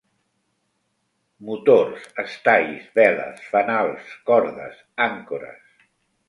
Motors, estais, veles, fanals, cordes, àncores.